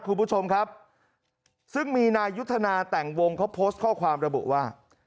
คุณผู้ชมครับซึ่งมีนายุทธนาแต่งวงเขาโพสต์ข้อความระบุว่า